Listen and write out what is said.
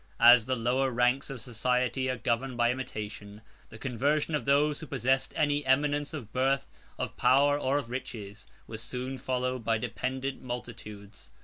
73 As the lower ranks of society are governed by imitation, the conversion of those who possessed any eminence of birth, of power, or of riches, was soon followed by dependent multitudes.